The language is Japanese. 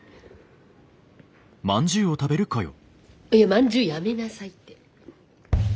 まんじゅうやめなさいって！